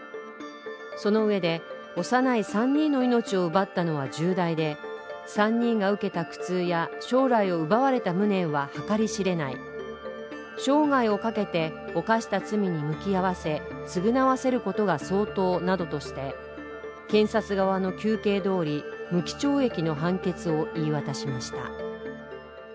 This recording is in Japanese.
そのうえで幼い３人の命を奪ったのは重大で３人が受けた苦痛や将来を奪われた無念は計り知れない生涯をかけて犯した罪に向き合わせ、償わせることが相当などとして検察側の求刑どおり無期懲役の判決を言い渡しました。